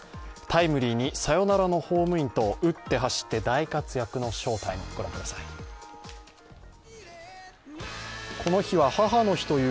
タイムリーにサヨナラのホームインと、打って走っての大活躍、翔タイム、御覧ください。